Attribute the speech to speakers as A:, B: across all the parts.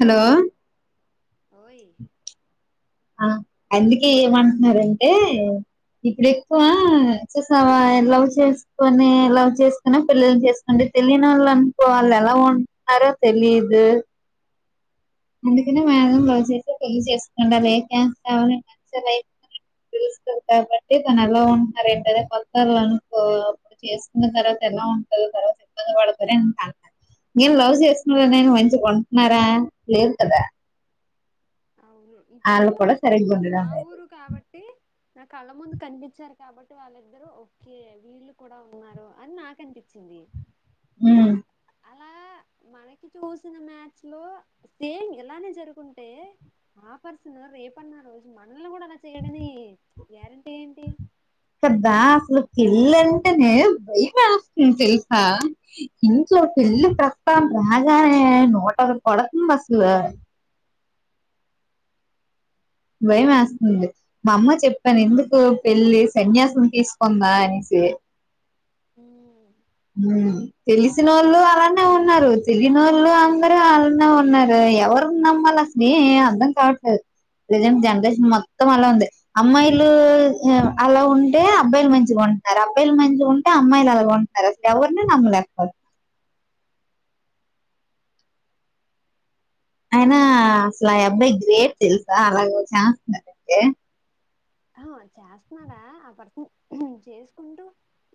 A: Hello
B: ఓయ్
A: ఆ అందుకే ఏమంటున్నారంటే, ఇప్పుడు ఎక్కువ చుసావా లవ్ చేసుకొనే లవ్ చేసుకొనె పెళ్ళీళు చేసుకోండి తెలియనోళ్ళు అనుకో ఆళ్ళు ఎలా ఉంటున్నారో తెలియదు. అందుకనే మ్యాస్మం లవ్ చేసే పెళ్లి చేసుకోండి [unintelligible] కాబట్టి తను ఎలా ఉంటారు ఏంటి అది కొత్తల్లో అనుకో చేసుకున్న తర్వాత ఎలా ఉంటందో తర్వాత ఇబ్బంది పడుతు [inaudible] నేను లవ్ చేసుకునే నేను మంచిగుంట్నారా! లేదు కదా.
B: అవును ఇప్పుడు
A: వాళ్ళు కూడా సరిగ్గా ఉండడం
B: మా
A: లేదు
B: ఊరు కాబట్టి నా కళ్ళ ముందు కనిపించారు కాబట్టి వాళ్ళిద్దరూ ఒకే వీళ్ళు కూడా ఉన్నారు అని నాకు అనిపించింది.
A: మ్మ్
B: అలా మనకి చూసిన మ్యాచ్ లో సేమ్ ఇలానే జరుగుంటే ఆ పర్సను రేపన్న రోజు మనల్ని కూడా అలా చేయడని గ్యారంటీ ఏంటి?
A: కద్దా అసలు పెళ్ళంటేనే భయం వేస్తుంది తెలుసా! ఇంట్లో పెళ్లి ప్ర ట రాగానే నోట పడతుందా అసలు భయమేస్తుంది. మా అమ్మ చెప్పాను ఎందుకు పెళ్లి సన్యాసం తీసుకొందా అనేసి.
B: హ్మూ
A: ఉ తెలిసినోళ్ళు అలానే ఉన్నారు తెలియని వాళ్ళు అందరు అలానే ఉన్నారు ఎవరు నమ్మళ అసలు అర్ధం కావట్లేదు ప్రెజెంట్ జనరేషన్ మొత్తం అలా ఉంది అమ్మాయిలు అలా ఉంటే అబ్బాయిలు మంచిగా ఉంటున్నారు అబ్బాయిలు మంచిగా ఉంటే అమ్మాయిలు అలాగ ఉన్ ఎవరినీ నమ్మలేకపోత ఐన అసలు ఆ అబ్బాయి గ్రేట్ తెలుసా అలాగ చాన్స్ దొరికితే
B: ఆ చేస్తన్నాడా ఆ పర్సన్ చేసుకుంటూ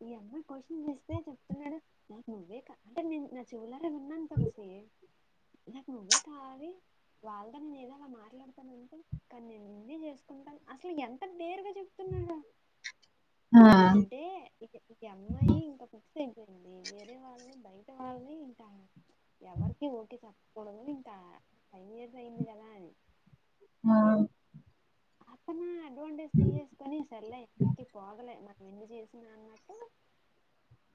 B: ఈ అమ్మాయి క్వశ్చన్ చేస్తే చెప్తున్నాడు నాకు నువ్వే అంటే నేను నా చెవులారే విన్నాను తెలిసి నాకు నువ్వే కావాలి వాళ్ళతో నేను ఏదోలా మాట్లాడతాను అంటే కానీ నేను ఇన్నే చేసుకుంటా అసలు ఎన్
A: ఆ
B: అంటే ఇక ఇక అమ్మాయి ఇంకా అయిపోయింది వేరే వాళ్ళని బయట వాళ్ళని ఇంకా ఎవరికి ఊకె చెప్పకూడదు ఇంకా ఫైన ఇయర్స్ అయింది కదా అని
A: ఆ
B: అప్పుడు అడ్వాంటేజ్ తీసేసుకొని సర్లే ఇక్కడికి పోదిలే మ ఎందు చేసిన అన్నట్టు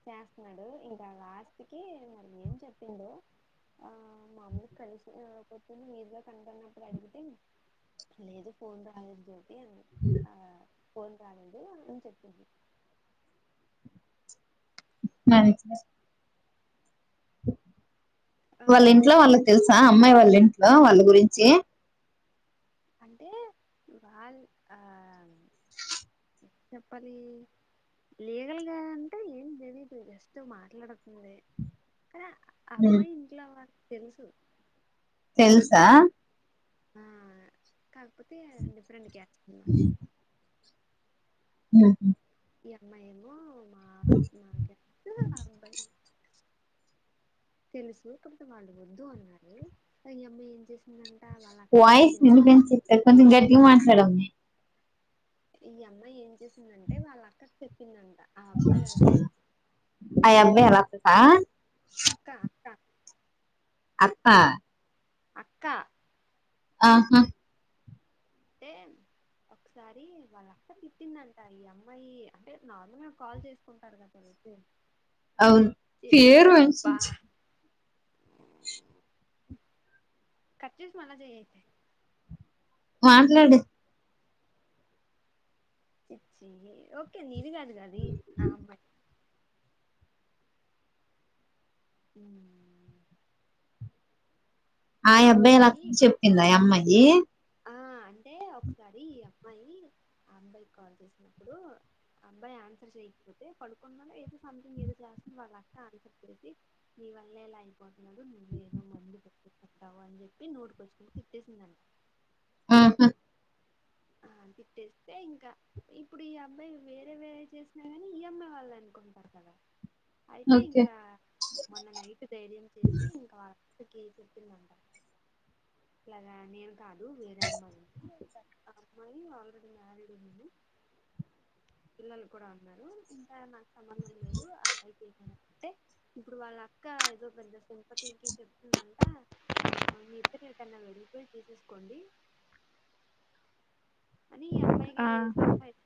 B: చేస్తున్నాడు ఇంకా ఆస్తికి మరి ఏం చెప్పిందో ఆ మాములు కలిసి పద్దింది మీరుగా కనుకున్నప్పుడు అడిగితే లేదు ఫోన్ రాలేదు అన్న ఆ
A: అ
B: ఫోన్ రాదండి అని చెప్పింది
A: మరికా
B: ఆ
A: [inaudible] వాళ్ళ ఇంట్లో వాళ్ళకి తెలుసా అమ్మాయి వాళ్ళు అలా వాళ్ళ గురించి
B: అంటే వాళ్ళ చెప్పాలి లీగల్ గా అంటే ఏం తెలీదు జస్ట్ మాట్లాడుతుంది
A: ఉమ్,
B: అబ్బాయి ఇంట్లో వాళ్ళు తెలుసు
A: తెలుసా
B: ఆ కాకపోతే డిఫరెంట్ క్యాస్ట్
A: అ
B: అన్నమాట
A: ఉహు
B: ఈ అమ్మాయి ఏమో [inaudible] తెలుసు కాపోతే వాళ్ళు వద్దు అన్నారు అ ఈ అమ్మాయి ఏం చేస్
A: వాయిస్ వినిపించట్లేదు కొంచెం గట్టిగా మాట్ ట్లాడండి
B: ఈ అమ్మాయి ఏం చేసిందంటే వాళ్ళ అక్కకి చెప్పిందంట ఆ అబ్బాయి వాళ్ళ
A: స్తే ఆ అబ్బాయి వాళ్ళక్క
B: అక్క అక్క
A: అత్త
B: అక్కా
A: ఆహా
B: అంటే ఒకసారి వాళ్ళక్క తిట్టిందంట ఈ అమ్మాయి అంటే నార్మల్గా కాల్ చేసుకుంటారు కదా తెలుసు
A: అవును ఫేరు అన్సుంస్
B: కట్చేసి మల్లా చేయ్ అయితే
A: మాట్లాడు
B: ఓకే నేను కాదు అది ఆ అమ్మాయి మ్మ్
A: ఆయబ్బాయిలా
B: అమ్మాయి
A: చెప్పింది ఆయమ్మాయ్ ఏ
B: ఆ అంటే ఒకసారి ఈ అమ్మాయి ఆ అబ్బాయి కాల్ చేసినప్పుడు అబ్బాయి ఆన్సర్ చేయకపోతే పడుకున్న ఏదో సంథింగ్ ఏదో చేస్తు వాళ్ళ అక్క ఆన్సర్ తెరిసి నీ వల్లే ఇలా అయిపోతున్నాడు అవును అని చెప్పి నోటికొచ్చినట్టు తిప్పేసిందన్న
A: ఆహా
B: ఆ తిట్టేస్తే ఇంకా ఇప్పుడు ఈ అబ్బాయి వేరే వేరే చేసినా కాని ఈ అమ్మాయి వల్లే అనుకుంటారు కదా అయితే
A: ఓకే
B: ఇంకా మొన్న నైట్ ధైర్యం చేసి ఇంకా ఇక చెప్పిందంట ఇలాగా నేను కాదు వేరే అమ్మాయండి అమ్మాయి ఆల్రెడీ మ్యారీడ్ ఉన్నాను పిల్లలు కూడా ఉన్నారు ఇంకా నాకు సంబంధం లేదు ఆబ్ పయికింటే ఇప్పుడు వాళ్ళ అక్క ఏదో పెద్ద సపతికి చెప్తుందంట మీ ఇద్దరు ఎక్కడన్నా వెళ్ళిపోయి తీసేసుకోండి అని ఈ అమ్మాయికి
A: ఆ
B: సలహా ఇత్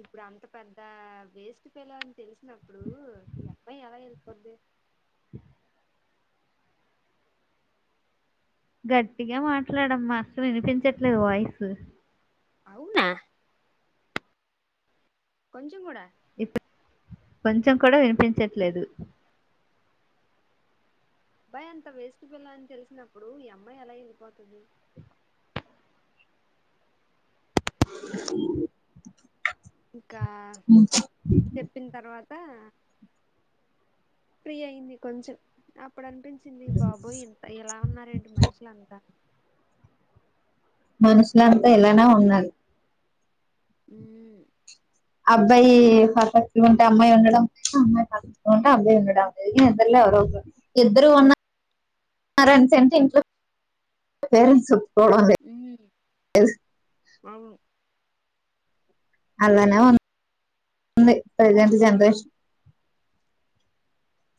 B: ఇప్పుడు అంత పెద్ద వేస్ట్ ఫెల్లో అని తెలిసినప్పుడు ఈ అబ్బాయి ఎలా వెళ్ళిపోద్ది
A: గట్టిగా మాట్లాడమ్మా అసలు వినిపించట్లేదు వాయిస్
B: అవునా కొంచం కూడా
A: ఇప్పు కొంచం కూడా విని పించట్లేదు
B: అబ్బాయ్ అంత వేస్ట్ ఫెల్లో అని తెలిసినప్పుడు ఈ అమ్మాయి ఎలా వెళ్ళిపోతది ఇంకా చెప్పిన తర్వా ఫ్రీ అయింది కొంచెం ఇప్పుడు అనిపించింది బాబోయ్ ఇంత ఇలా ఉన్నారెంటి మనుషులంత
A: మనుషులంతా ఇలానే ఉండాలి.
B: హ్మ్
A: అబ్బాయి పెర్ఫెక్ట్గా ఉంటే అమ్మాయి ఉండడం లేదు. అమ్మాయి పెర్ఫెక్ట్గా ఉంటె అబ్బాయి ఉండడం లేదు. ఇద్దరు ఎవరోఒకరు, ఇద్దరు ఉన్నారునింటే ఇంట్లో పేరెంట్స్ ఒప్ పొందే
B: హ్మ్.
A: [unintelligible]
B: అవును.
A: అలానే ఉంది. ప్రజెంట్ జనరేషన్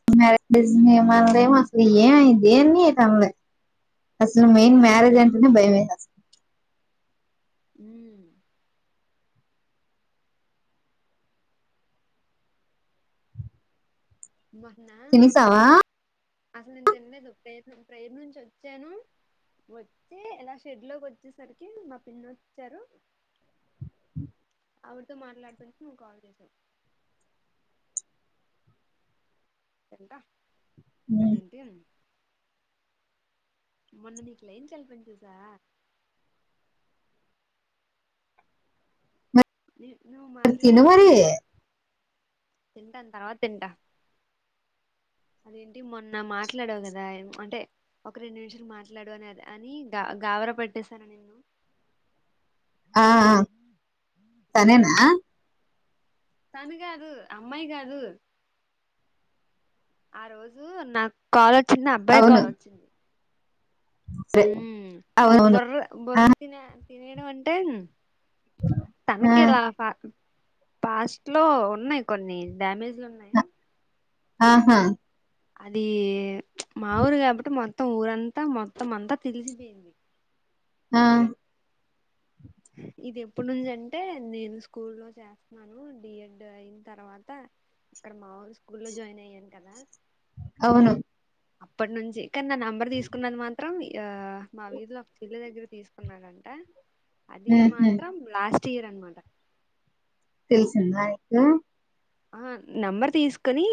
A: [unintelligible] అసలు ఏమైంది ఏంది ఏమనల అసలు మెయిన్
B: హ్మ్.
A: మ్యారేజ్ అంటేనే భయమేస్
B: మ్మ్
A: తినేసావా
B: మొన్న అసలు నేను తినలేదు ప్రే ప్రేయర్ నుంచి వచ్చాను. వచ్చి ఇలా షెడ్ లోకి వచ్చేసరికి మా పిన్నీ వచ్చారు ఆవిడితో మాట్లాడుతుంటే నువ్వు కాల్ చేసావ్ తింట
A: ఉమ్.
B: అదేంటి మొన్న నీకు లైన్ కలిపింది చూసా నీ నువ్వు
A: తిను
B: మాట్లాడావు
A: మరి
B: గదా! తింటాను తర్వాత తింటా అదేంటి మొన్న మాట్లాడవు కదా ఏం అంటే ఒక రెండు నిమిషాలు మాట్లాడు అని అని గా గావర పెట్టేసానా నిన్ను
A: ఆ ఆ తనేనా
B: తను కాదు అమ్మాయి కాదు ఆ రోజు నాకు కాలొ చిన్న అబ్బాయి
A: అవును
B: కాల్ వచ్చింది
A: సరే
B: ఉమ్
A: అవునవును
B: బుర్ర బుర్ర తినే తినేను అంటే
A: ఆ,
B: తనకేలా ఫ పాస్ట్ లో ఉన్నాయి కొన్ని డ్యామేజ్లున్నాయి.
A: ఆహా
B: అది మాఊరుగాబట్టు మా త్తం ఊరంతా మొత్తం అంతా తెలిసిపోయింది
A: ఆ
B: ఇది ఎప్పుడు నుంచి అంటే నేను స్కూల్ లో చేస్తున్నాను డి ఎడ్ అయిన తర్వాత అక్కడ మా వోళ్ళు స్కూల్ లో జాయిన్ అయ్యాను కదా
A: అవును
B: అప్పటి నుంచి కాని నా నంబర్ తీసుకున్నది మాత్రం ఆ మా వీధులో ఒక చెల్లి దగ్గర తీసుకున్నారంట అది
A: ఉహుం.
B: మాత్రం లాస్ తీరన్మాట
A: తీసిందాయక్క
B: ఆ నంబర్ తీసుకోని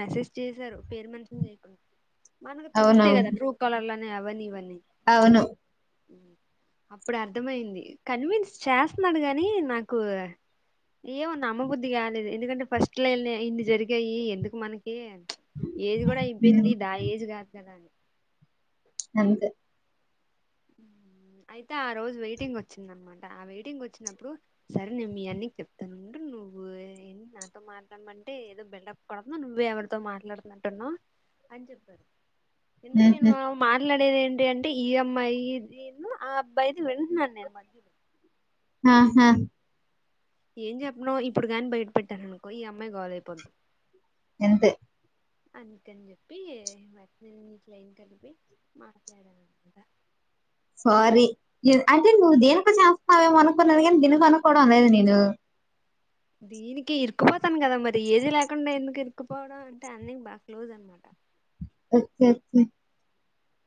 B: మెసేజ్ చేశారు పేరు మెన్షన్ చేయకున్ మనకు తెలుస్తే కదా
A: అవునవును
B: ట్రూ కలర్ లన్ అవన్ని ఇవన్నీ
A: అవును
B: అప్పుడు అర్థమయింది కన్విన్స్ చేస్తన్నాడు గాని నాకు ఏమో నమ్మబుద్ధి కాలేదు ఎందుకంటే ఫస్ట్ లైలే ఇన్ని జరిగాయి ఎందుకు మన [unintelligible] ఏజ్ కూడా అయిపోయింది దా ఏజ్ కాదు కదా అని
A: అంతె
B: ఉమ్ అయి తే ఆ రోజు వెయిటింగ్ వచ్చిందనమా టి ఆ వెయిటింగ్ వచ్చినప్పుడు సరే నేను మీ అన్నికి చెప్తానుండు నువ్వు ఏ నాతో మాట్లాడమంటే ఏదో బెల్డప్ కొడతనా నువ్వే ఎవరితో మాట్లాడుతున్నట్టున్నావు అని చెప్పారు ఎందుకు నేను
A: హుహు.
B: మాట్లాడి లేద ఏంటి అంటే ఈఎంఐ ఇదిన్న ఆ అబ్బాయిది వింటున్నాను నేను మధ్యలో
A: హహా
B: ఏం చెప్పనో ఇప్పుడు కాని బయట పెట్టాను అనుకో ఈ అమ్మాయి గోల్పోద్ంది
A: ఎంత
B: అందుకని చెప్పి వాటిన నీట్లం కలిపి మాట్లాడానునమాట
A: సారీ అంటే నువ్వు దేనికో చేస్తువేమో అనుకున్నది కానీ దీనిక అనుకోవడం అనేదు నేను
B: దీనికి ఇరికుపోతాను కదా మరి ఏది లేకుండా ఎందుకు ఇరిక్కుపోవడం అంటే అన్ని బాగా క్లోజ్ అనమాట
A: ఓకే ఓకే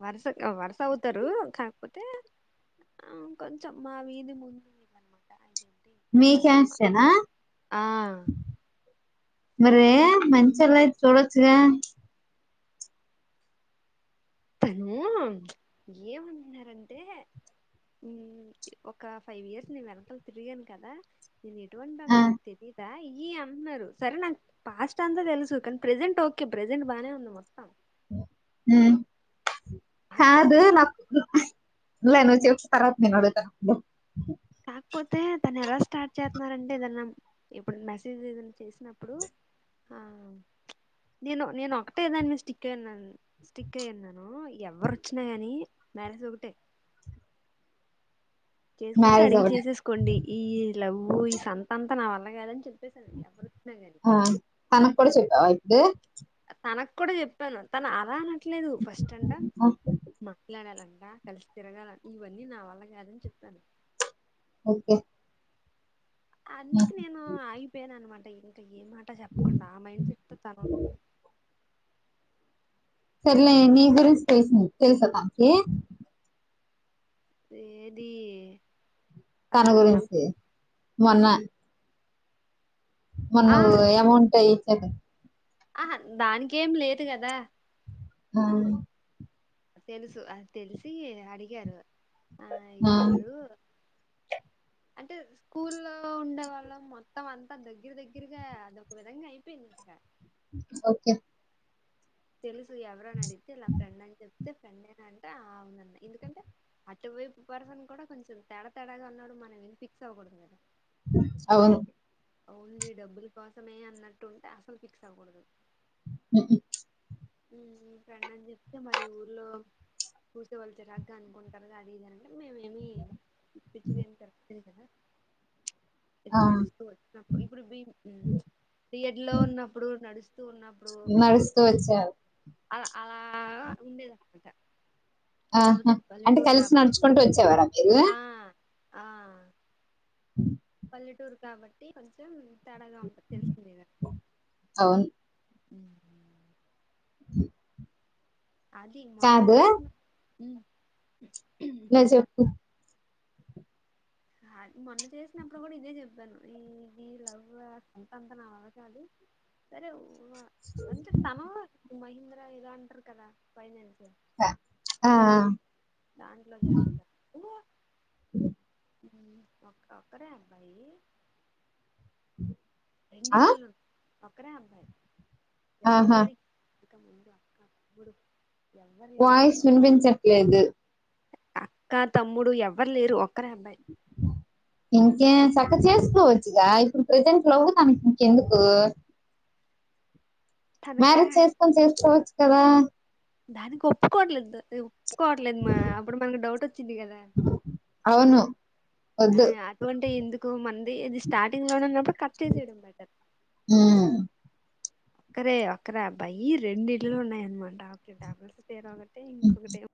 B: వరుస వరుస అవుతారు కాకపోతే ఆ కొంచెం మా వీధి ముందు ఇద అనమాట అ
A: మీ క్యాస్ట్ ఏనా
B: ఆ
A: మరే మంచిలా అయితే చూడొచ్చుగా
B: తను ఏమంటున్నారంటే ఒక ఫైవ్ ఇయర్స్ నేను వెనంటలు తిరిగాను కదా నన్ ఎటువంటా
A: ఆ!
B: నని తెలిదా ఈ అంటున్నారు సరే నాకు పాస్ట్ అంతా తెలుసు కానీ ప్రజెంట్ ఓకే ప్రజెంట్ బాగానే ఉంది మొత్తం
A: హు కాదు
B: కాకపోతే
A: నాకు [inaudible] లను చ తర్వాత నేను అడుగుతా
B: కాకపోతే తను ఎలా స్టార్ట్ చేస్తున్నారంటే ఏదన్నా ఇప్పుడు మెసేజ్ ఏదైనా చేసినప్పుడు ఆ నేను నేను ఒకటే దాని మీ స్టిక్ అయన్నా స్టిక్ అయన్నాను ఎవరు వచ్చినా గాని మ్యారేజ్ ఒకటే చేసుకుంటే
A: మ్యారేజ్
B: అడిగి
A: ఒకటే.
B: చేసేసుకోండి ఈ లవ్వు ఈ సంత అంతా నా వల్ల కాదని చె
A: ఆ తన కూడా చే ఊ
B: తనకు కూడా చెప్పాను తన అరాన లేదు ఫస్ట్ అంట
A: ఆ!
B: మాట్లాడాలండి కలిసి తిరగాల ఇవన్నీ నా వల్ల కాదని చెప్తాను
A: ఓకే హ్మ్.
B: అందుకు నేను అగిపోయాన అనమాట అ ఏ మాట చెప్పకుండా ఆ మైండ్ సెట్ త చనువు
A: సర్లే నీ గురించి తెలుసా మాకి
B: ఏది ఆ
A: తన గురించి మొన్న మొన్న
B: ఆ
A: అమౌంట్ ఏయి సక్కం
B: ఆ దానికేం లేదు కదా
A: మ్మ్
B: తెలుసు అది తెలిసి అడిగారు. ఆ ఎవరు అంటే స్కూలో ఉండే వాళ్ళం మొత్తం అంతా దెగ్గర దెగ్గరగా అదొక విధంగా అయిపోయింది ఇంకా
A: ఓకె
B: తెలుసు ఎవరనడిగితే ఇలా ఫ్రెండ్ అని చెప్తే సండే నా అంటే ఆ అవునన్నా ఎందుకంటే, అటువైపు పర్సన్ కూడా కొంచెం తేడా తేడాగా ఉన్నవుడు మనం ఏం ఫిక్స్ అవ్వకూడదు కదా!
A: అవును
B: ఓన్లీ డబ్బుల కోసమే అన్నట్టు ఉంటే అస్సలు ఫిక్స్ అవ్వకూడదు.
A: అ
B: ఊ ఫ్రెండ్ అని చెప్తే మరి ఊర్లో చూసేవాళ్ చిరాగ్గ అనుకుంటారు గా అది ఇది అనంటన్టే మేమేమి పిచ్చిగా ఏం తిరగ్ లే కదా
A: ఆ
B: ఏదొ నడుస్తూ వచ్చినప్పుడు ఇప్పుడు బీమ్ మ్మ్ బీఎడ్ లో ఉన్నప్పుడు నడుస్
A: నడుస్త వచ్చావ్
B: అల అలాగ ఉండేదన్మాట.
A: ఆహా అంటే కలిసి నడుచుకుంటూ, వచ్చేవా రా మీరు
B: ఆ ఆ
A: [unintelligible]
B: పల్లెటూరు కాబట్టి కొంచెం తేడాగ ఉంటె తెలుస్తుందిగా?
A: అవును ఇ
B: అది మొన్న చేసిన మ్
A: లెద్ చెప్పు
B: ఆది మొన్న చేసినప్పుడు కూడా ఇదే చెప్పాను. ఈది లవ్ సంత అంతా నా వల్ల కాదు సరే ఒ ఉవ అంటే తను మహీంద్ర ఎదో అంటారు కదా ఫైనాన్స్
A: ఆ
B: దాంట్లో జేస్తారు. ఉం ఒక ఒకరే అబ్బాయి
A: అ
B: రెండిళ్ళులు ఒక్కరే అబ్బాయి ఎవ్వరు
A: ఆహా
B: లేేరి ఇక ముందు అక్క అక్క గుడు
A: వాయిస్ వినిపించట్లేదు.
B: అక్క తమ్ముడు ఎవ్వరు లేరు ఒక్ క్కరే అభ్బాయి.
A: ఏం చక్క చేసుకోవచ్చుగా ఇప్పుడు ప్రజెంట్ [inaudible] తనకి ఇంకెందుకు
B: తనక
A: మ్యారేజ్ చేసుకొని చేసుకోవచ్చు కదా
B: దానికి ఒప్పుకోట్లేదు కోవట్లేదు మా అప్పుడు మళ్ళీ డౌట్ చింది కద
A: అవును
B: ఆ
A: వద్దు
B: అటు అంటే ఎందుకు మన ఇ ఇది స్టార్టింగ్ లో ఉన్న [inaudible] కట్ చేసి [unintelligible]
A: ఉమ్,
B: ఒక్కరే ఒక్కరే అబ్బాయి రెండు ఇళ్లు ఉన్నాయనమాట ఒక డబల్స్ తేర అంటే ఇంకొకటేమో